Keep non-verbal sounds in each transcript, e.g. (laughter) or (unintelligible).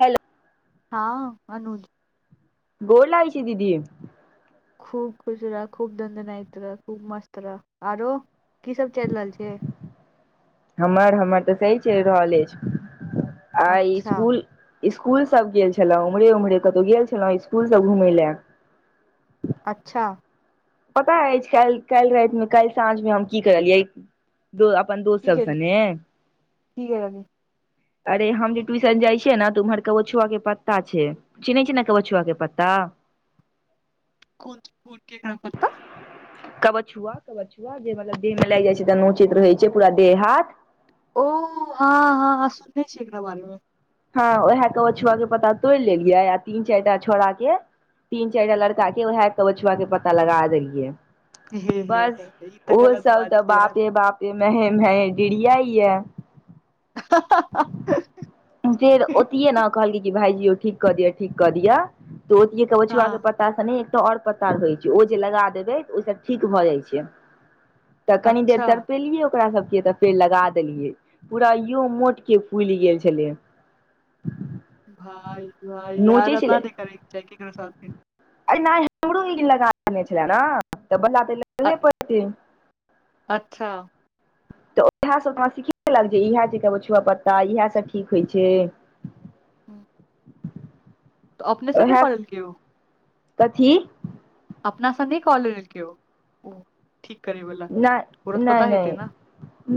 Hello हँ अनुज। गोल लगै छी दीदी। खूब खुश रह खूब दनदनायक रह खूब मस्त रह आरो की सब चलि रहल छैय? हमर हमर तऽ सही चलि रहल अछि आइ अच्छा स्कूल स्कूल सब गेल छलो म्हरे उम्हरे कतहु गेल छलहौ स्कूल सब घूमय ले। अच्छा। पता अछि काइल काइल रातिमे काल्हि साँझमे हम की करलियै दो अपन दोस्त की सब गेल संगे की गेल अभी अरे हम जे ट्यूशन जाइ छियै ने तऽ उम्हर के कवछुआके पत्ता छैय। चिनहय छि ना कवछुआ के पता? (unintelligible) कबछुआ कबछुआ जे देह में लागि जाइ छैय तऽ नोचेय रहै छैय पूरा देह हाथ। ओ हँ हँ सुननेे छियै एकरा बार मे। हँ उएह कवछुआ के पता तोड़ि लेलियै आ तीन चारि टा छोरा के तीन चारि टा लड़काके उएह त कवछुआ के पता लगा देलियै। हे हे हे बस ई तऽ गलत बात छैय यार। म्हे मेहे डिढ़ियाई या। हँ हँ हँ फेर ओते ने कहल कि भायईजी ओ ठीक कऽ दि ठीक कऽ दिय तऽ ओतेही के कवछुआके हँ पता पत्ता से नहि एकटा और पत्ता होइ छैय ओ जे लगा देबै ओहि सब ठीक भऽ जाइ छैय। तऽ कनी देर अच्छा तरपेलियै ओकरा सबके तऽ फेर लगा देलियै पूरा यो मोट की फुईल गेल छलै। भाय भइ यार नोचै यना नै करै जाके ककरो साथ। अ नहि हमरो ई लगा देेने छलए ने तऽ बदला तऽ लगे पड़तै। अच्छा तऽ ओहै सब तऽ हमरा सिखेलक जे इएह छै कहबछुआ पत्ता इहैसभ ठीक होइ छै। (inaudible) तऽ अपने सऽ नय क लेलकै उ कथि अपनासँ नय कऽ लेलकै उ उ ठीक करै वला ओकरो तऽ पता हेतै नऽ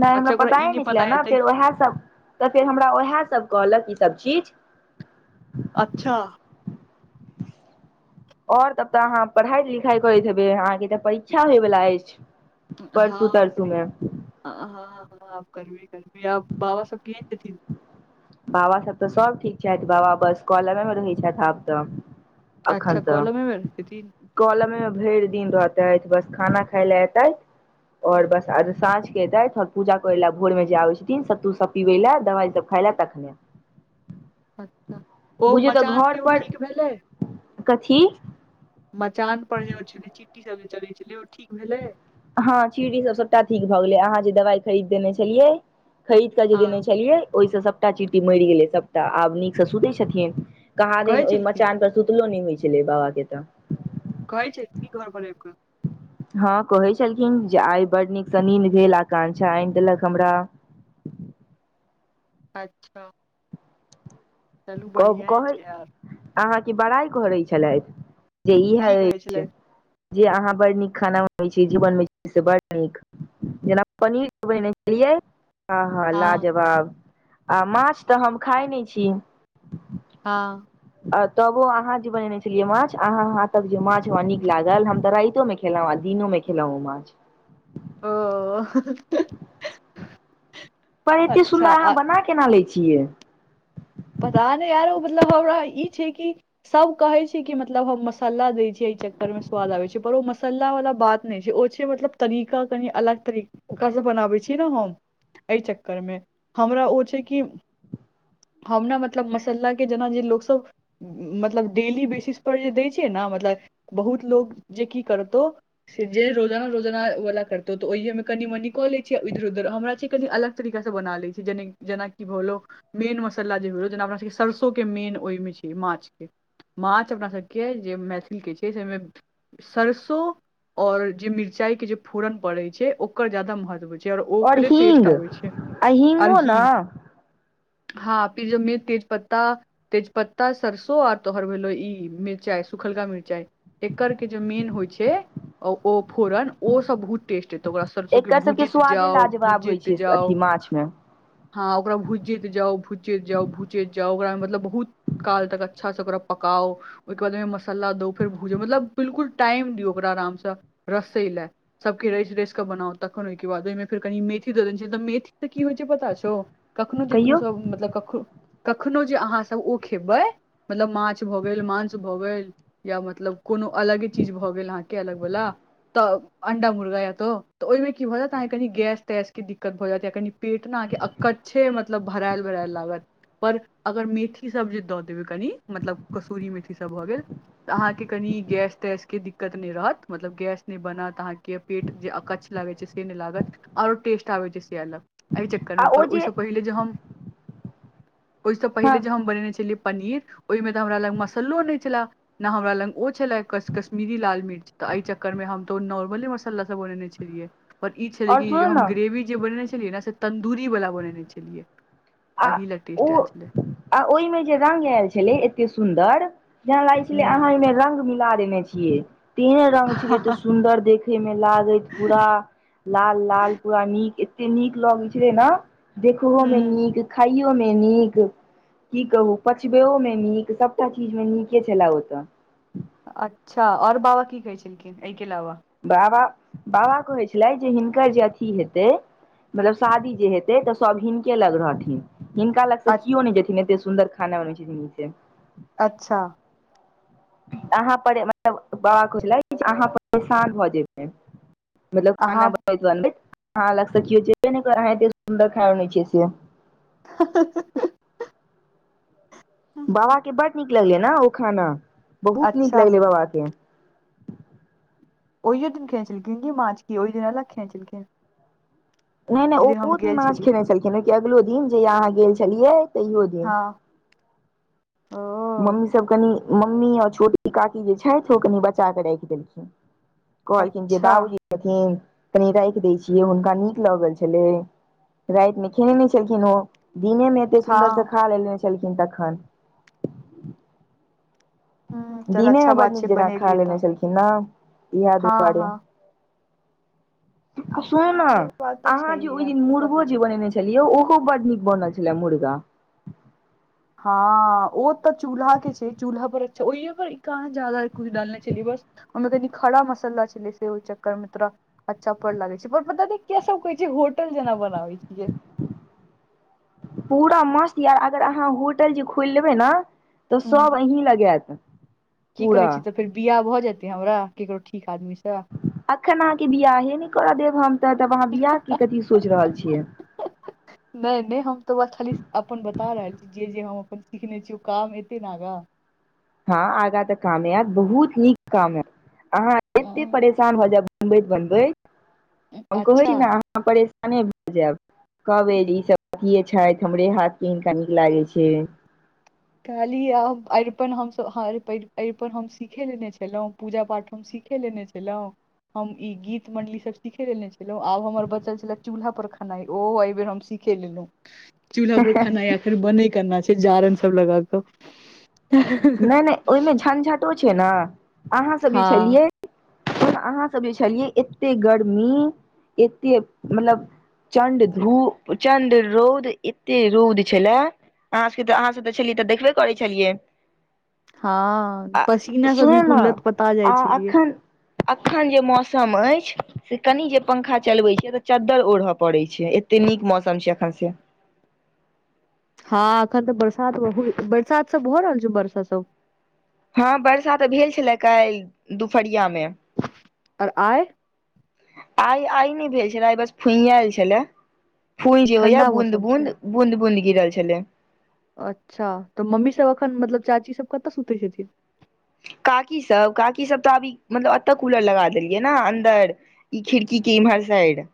नय हमरा पताए नय छलै नऽ फेर ओहैसभ तऽ फेर हमरा ओहैसभ कहलक ईसभ चीज अच्छऽ आओर तब तऽ अहाँ पढ़ाई लिखाई करैत हेबै अहाँकेँ तऽ परीक्षा होय वला अछि। हँ परसू तरसू मे। हँ हँ आब करबे करबै आ बाबा सब (unintelligible) देथिन बाबा सभ तऽ सभ ठीक छैथ बाबा बस कलमे मे रहै छैथ आब तऽ। अच्छा अखन तऽ कॉलमे मे छथिन कलमे मे भइर दिन रहतैथ बस खाना खाय लऽ एतैथ आओर बस आर साँझ कऽ एतैथ (unintelligible) पूजा करैय लऽ भोरमे जे आबै छथिन सत्तू सभ पिबै लए दबाइ सभ खाय लऽ तखने। अच्छऽ ओ मचानके ओ ठीक भेलै। कथि मचान पर जे ओ छलै चिट्टी सब जे चलै छलै ओ ठीक भेलै। हँ चिटी सब सबटा ठीक भऽ गेलै अहाँ जे दवाई खरीद देने छलियै खरीद कऽ जे हँ देने छलियै ओहिसँ सभटा चिट्टी मइर गेलै सभटा आब नीकसँ सुतै छथिन। कहा दिन कहै ओय छलखिन मचान पर सुतलो नय होइ छलै बाबा केँ तऽ। कहै छै की घर पर आईब कऽ। हँ कहै छलखिन जे आइ बड़ नीकसँ नीन भेल आकांक्षा आइन देलक हमरा। अच्छऽ कब कहै छै यार अहाँकेँ बड़ाइ करै छलैथ जे ई की हैय कहै अछि छलथि जे अहाँ बड़ नीक खाना बनबैय छी जे बनबैय छी से बड़ नीक जेना पनीर खुऐने छलियै। आहा हँ लाजवाब आ माछ तऽ हम खाय नय छी। हँ तबो अहाँ जे बनेने छलियै माछ अहाँ हाथक जे माछ हमरा नीक लागल हम तऽ रातियो मे खे खेलहुँ आ दिनो मे खेलहुँ माछ। ओऽ (inaudible) पर एते अच्छा सुन्दर आ अहाँ बना केना लै छियै। पता नय आरो मतलब हमरा ई छै की सभ कहै छै कि मतलब हम मसाला दै छियै एहि चक्करमे स्वाद आबै छै पर ओ मसल्ला वला बात नय छै ओ छै मतलब तरीका कनि अलग तरीका ओकरा सँ बनाबै छीयै नऽ हम एय चक्कर मे हमरा ओ छै की हम नऽ मतलब मसल्ला केँ जेना जे लोक सब मतलब डेली बेसिस पर जे दै छैयै नऽ मतलब बहुत लोक जे की करतहु जे रोजाना रोजाना वला करतौ तऽ ओहिये मऽ कनि मनि कऽ लै छिय इधर उधर हमरा छै कनि अलग तरीका से बना लै छिये जेना कि भऽ गेलौ मेन म साला जे भेलौ जेना अपना सबके सरसो केँ मेन ओय मे छै माछ केँ माछ अपना सभके जे मैथिल केँ छै से ओहिमे सरसो आओर जे मिरचाई केँ जे फोरन पड़े छै ओकर जादा महत्व छै आओर ओकरे हींग टेस्ट आबै छै आ हींगो आओर ने हिंग हॉं (unintelligible) जमी तेज पत्ता तेजपत्ता सरसो आ तोहर भेलो इ मिर्चाय सुखलका मिर्चाय। एकर के जे मेन होइ छैय ओ फोरन ओसभ बहुत टेस्ट तऽ ओकरा सरसो के एकर सबके भुजैत स्वादे जाउ लाजवाब होइ भुजैत छै जाउ अथी माछ मे हँ ओकरा भुजैत जाउ, भुजैत जाउ, भुजैत जाउ ओकरा मतलब बहुत काल तक अच्छा से ओकरा पकाव ओहिके बाद ओ मसाला दू फेर भूजू मतलब बिलकुल टाइम दियो ओकरा आराम से रस्सै लेय। सबके रैस रैस कऽ बनाउ तखन ओइ के बाद ओइ मे फेर कनि मेथी दऽ दने छैय मेथी से की होइ छैय से पता छौ? कखनो जे तू कहियौ सब कख कखनो जे अहाँ सब ओ खेबै मतलब माछ भऽ गेल मांस भऽ गेल। या मतलब कोनो अलगे चीज भऽ गेल अहाँ के अलग बला। तऽ अंडा मुर्गा या तऽ ओइ मे की भऽ जायत अहाँ के कनि गैस तैस के दिक्कत भऽ जायत या कनि पेट ना अहाँ के अकच्छे मतलब भरायल भरायल लागत। पर अगर मेथी सब जे दऽ देबय कनि मतलब कस्तूरी मेथी सब भऽ गेल। तऽ अहाँ के कनि गैस तैस के दिक्कत नै रहत मतलब गैस नै बनत अहाँ के। पेट जे अकच्छ लागे छैय से नै लागत आओर टेस्टजे आबय छैय से अलग। अइ आ चक्करमे ओ पर जे ओइ से पहिले जे हम ओइ से हँ पहिले जे हम बनेने छलियै पनीर ओइमे तऽ हमरा लग मसालो नै छला। नऽ हमरा लग ओ छैला क-कश्मीरी लाल मिर्च तऽ अइ चक्कर मे हम तऽ ओ नॉर्मले मसाला से बनेने छेलियै। पर इऽ छैय आओर कि सुनू जे हम ने ग्रेवी जे बनेने छेलिये ने से तन्दूरी बला बनेने छेलियै। आ ओ ओइ मे जे रंग आयल छैलय ऐते सुन्दर जेना लागे छैलय अहाँ हूँ एमें रंग मिला देने छियै तेहन रंग छैलय ऐते सुन्दर देखय दे मे लागैत पूरा लाल लाल पूरा निक ऐते निक लगै छेलै नऽ। देखहो मे हूँ निक खायो मे निक। कि कहू पचबैमे निक सबटा चीज मे निके छैला ओ तऽ। अच्छा आओर बाबा कि कहे छेलखिन अइ के अलाबा? बाबा बाबा कहय छैला जे हिनकर जे अथी हेतै मतलब शादी जे हेतय तऽ सब हिनके लग रहथिन। हिनका लग से अ कियो नइ जेथिन ऐते सुन्दर खाना बनबै छेथिन इ से। अच्छा अहाँ पर मतलब बाबा कुहले छलै अहाँ परेशान भऽ जेतै। मतलब खाना अहाँ बनबे दुआरे आहाँ लग से कियो जेबे नै करत आहाँ ऐते सुन्दर खाना बनबै छियै से जे। हाँ हाँ हाँ बाबाके बड़ निक लगले नैे ओ खाना बहुत निक अच्छा लगले बाबा के। ओइयो दिन खेने छेलखिन की माछं कि ओइ दिन अलग खेने छेलखिन। नै नै ओ दिन माछं छलियै खेने छलखिन कि अगलो दिन जेहिया अहाँ गेल छेलियै। हँ ओ। मम्मी सब कनि मम्मी अऽ छोटकी काकी जे छैथ ओ कनि बचा के रैख देलखिन। कहलखिन जे अच्छा बाबूजी खेथिन कनि रैख दै छिये हुनका निक लगल छेले। राइत मे खेने नै छेलखिन ओ दिने मे ऐते सुन्दर से हँ खा लेने छेलखिन तखन। ह चल दिने मे अच्छा बड़ बात निक छै जेना खा बनेलियै तऽ लेने छेलखिन नऽ येह हँ दुआरे। हँ आ सुनू नऽ से बात तऽ अहाँ जे छैहे ओइ आब दिन की कऽ मुर्गो सकै जे छी बनेने छली खेलियो ओहो बड निक बनल छेला मुर्गा। हाँ ओ तऽ चूल्हां के छैय चूल्हां पर अच्छा ओइ पर इ। कहाँ ज्यदा कुछ डालने छेलियै बस ओइ मे कनि खाड़ा मसला छेलै से ओइ चक्कर मे तोरा अच्छा पर लागे छैय पर पता नै के सब कहे छैय होटल जेना बनाबे छिये (inaudible) पुरा मस्त या अगर अहाँ होटल जे खोइल लेबे ना तऽ सब अहीं लग ऐत कि कहे छी तऽ फेर बिया भऽ जेते हमरा केकरो ठीक आदमी सऽ अखन अहाँ के बियाहे नै करऽ देब हम तैं अहाँ बिया के कथी सोच रहल छिये नै नय हम तऽ बस खाली अपन बता रहल छी जे जे हम अपन सिखने छी ओ काम ऐते नै आगा हाँ आगा तऽ काम ऐत बहुत नीक काम ऐत अहाँ ऐते परेशान भऽ जेब बनबैत बनबैत हम कहै अच्छा छी न अहाँ परे अने भऽ जाब कहबै जे ई सब अथिये छैथ हमरे हाथ कऽ हीनका लागै छै कहलीए अब अरिपन हम सभ अरिपन हम सीखे लेने छलहुँ पूजा पाठ हम सीखे लेने छलहुँ (unintelligible) हम ई गीत मंडली सब सीखे लेने छलों आब हमर बचल छले चूल्हा पर खेनाई ओ एहि बेर हम सीखे लेलु (inaudible) चूल्हा पर खनाए आखिर बनय केना छै जारन सब लगाकऽ नइ नइ ओइ मे झंझटो छै ने अहाँ सब जे हँ छलियै ओहिमे अहाँ सब जे छलियै एते गर्मी एते मतलब चण्ड धू चण्ड रौद ऐेते रौद छले अहाँ सब त अहाँ सब तऽ छलै तऽ देखबै करै छलियै हाँ आ पसीना स सुनू बिलकुल लत पता जाइ छलियै अखन जे मौसम ऐछ से कनि जे पंखा चलबैत छिय तऽ चद्दर ओढ़य पड़ै छै अते नीक मौसम छै एखन से हँ एखन तऽ बरसात बहु बरसात सब भ रहल छै बर्षा सब हँ वर्षा तऽ भेल छलाह काइल दुपहरिया मे (inaudible) ओर आय आइ आइ नइ भेल छले आइ बस फुनिएल छले फूही जे होइया ठंडा बूँद मौसम छै बूँद बूँद बूँद गिरल छलै अच्छा तऽ मम्मी सभ एखन मतलब चाची सब कतऽ सुतै छथिन काकी सब काकी सब तऽ आबी मतलब एतऽ कूलर लगा देलियै न अन्दर ई खिड़की के इम्हर साइड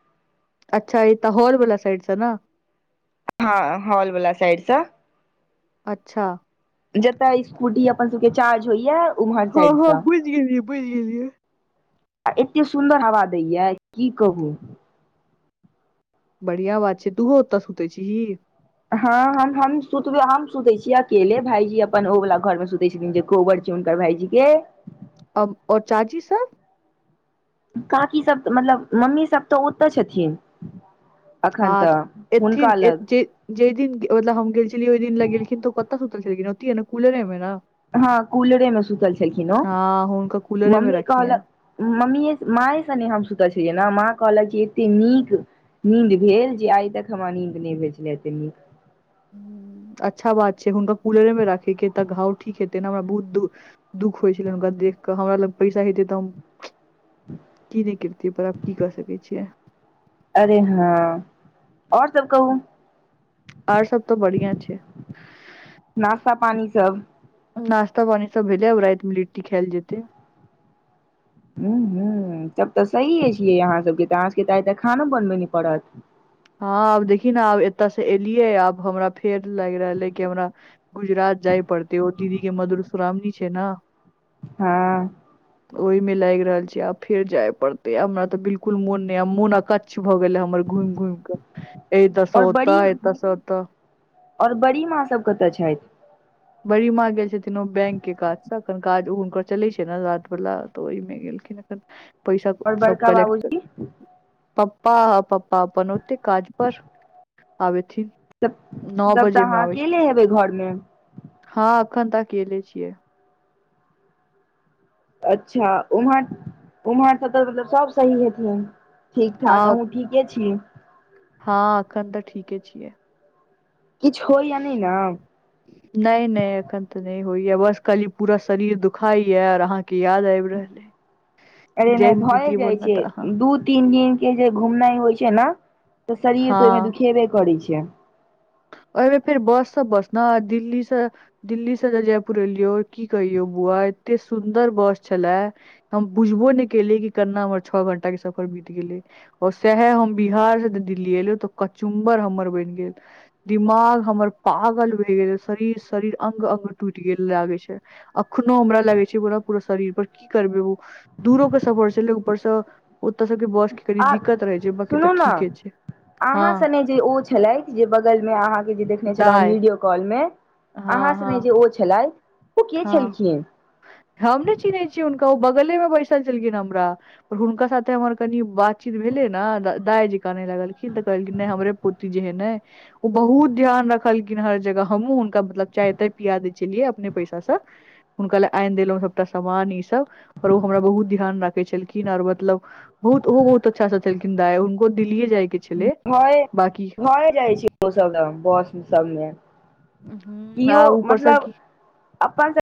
अच्छा ऐत हॉल वाला साइड सँ न हाँ हॉलवला साइड सँ अच्छा जतऽ स्कूटी अपन सबके चार्ज होइया उम्हर हँ साइड हँ सँ बुझि गेलियै बुझि गेलियै आ एतेे सुन्दर हवा दैये की कहू बढ़िआ बात छै तूहो ओतऽ सुतै छी ही हँ हम सुतब हम सुते छीयै अकेले भाईजी अपन ओ वला घर मे सुते छथिन कोहबर छैन हुनकर भाइजी के तब ओ चाची सब काकी सब त मतलब मम्मी सब तऽ ओतऽ छथिन अखन तऽ हुनका लग जेइ दिन मतलब हम गेल छलियै ओइ दिन लग गेलखिन तऽ कतऽ सुतल छलखिन ओती हे न कूलरे मे ने हँ कूलरे मे सुतल छलखिन ओ हँ हुनका कूलरे मे मम्मी कहल रखियै मम्मी माँए सने हम सुतऽ छलियै ने माँ कहलक एते नीक नींन्द भेल जे आइ तक हमरा नीन्द नहि भेल छलै एते नीक अच्छा बात छै। हुनका कूलरे मे राखै के तऽ घाव ठीक हेतै ने हमरा बहुत दूर दुःख। होइ छलैनि हुनका देख कऽ हमरा लग पैसा हेतै तऽ हम की नहि कैरती पर आब की क सकै छियै। अरे हँ। आओ सभ कहू और सभ तो बढ़िया छै नाश्ता पानी सभ नास्ता पानी सभ भेलै आब राति मे लिट्टी खायल जेतै ह ह तब तऽ सही छियै अहाँ सभ के तऽ अहाँ सभ के तऽ आइ तऽ खानो बनबय नहि पड़त। हँ आब देखि न आब एतऽ से एलियै आब हमरा फेर लाग रहलै कि हमरा गुजरात जाय पड़ते ओ दीदी के मधुश्रामणी छै। ने हँ ओहि मे लागि रहल छै। आब फेर जाय पड़ते हमरा तऽ बिलकुल मोन नहि मोन अकच अछ भऽ गेले हमर घुमि घुमि कऽ ए एतऽसँ और ओतऽ बड़ी एतयस ओतऽ और बड़ी माँ सभ कतऽ छथिन बड़ीमाँ गेल छथिन ओ बैंक के काज से एखन काज हुनकर चलै छै। ने राति वला तऽ ओहिमे गेलखिन। पैसा और सभ बड़का कलेक्ट बाबूजी पप्पा पप्पा पन ओते काज पर आब आथिन। त तब तऽ अहाँ अकेले हेबै घोर में हँ एखन तक अकेले छियै। अच्छा उम्हर ओम्हर त तऽ मतलब सभ सही हेथिन। ठीक हँ ठाक अहू ठीके छी। हँ अखन तऽ ठीके छियै। किछ होइया नै न नहि न अखन तऽ नहि होइया बस खाली पूरा शरीर दुखाई या और अहा के याद आबि रहल। (inaudible) अरे नहि भए जाइ बोलना छै। तऽ अहाँ दू तीन दिन के जे घुमनाइ होइ छै। ने। तऽ शरीर तऽ ओहि में दुखेबे करै छै। एहि मे फेर बससँ बसना दिल्लीसँ दिल्ली से जे जयपुर एलियो की कहियौ बुआ एते सुंन्दर बस छलेया हम बुझबो नहि केलियै कि केना हमर छः घंटा के सफर बीत गेलै ओ सएह हम बिहार से त दिल्ली एलहु तऽ कचुम्बर हमर बनि गेल दिमाग हमर पागल भहि गेल शरीर शरीर अंग अंग टूटि गेल लागे छै। अखनो हमरा लगै छै। पूरा पूरा शरीर पर की करबै ओ दूरो के सफर छलै ऊपरसँ ओतऽ सभ के बस किकरिये आ दिक्कत रहै छै। बकी तऽ सुनू ने ठीके छै। हँ अहाँ सने ओ छलै जे बगल में अहाँ देखने छलहुँ दाय वीडियो कॉल में अहाँ हँ हँ सने जे ओ छलै। हँ हम ने चिन्है छीयै हुनका ओ बगले में बैसल छलखिन हमरा पर हुनका साथे हमर कनि बातचीत भेलै ने दाइ जे कानय लागलखिन तऽ कहलखिन नहि हमरे पोति जे हे ऐ ओ बहुत ध्यान रखलखिन हर जगह हमहुँ हुनका मतलब चाय ताय पिया दे छलियै अपने पै सा हुनका लए आनि देलहुं सबटा सामान ई सभ पर ओ हमरा बहुत ध्यान राखै छलखिन आर मतलब बहुत ओहो बहुत अच्छा सोचलखिन दाइ उनको दिल्लीए जायके घए घरे जाइ छी ओ सब बस सबले हम्म, किओ आ ऊपर सँ मतलब की अपन सब